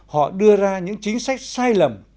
họ đưa ra những chính sách sai lầm